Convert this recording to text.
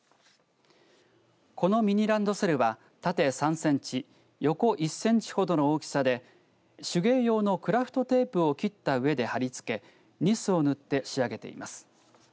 このミニランドセルは縦３センチ横１センチほどの大きさで手芸用のクラフトテープを切ったうえで貼り付けニスを塗って仕上げています。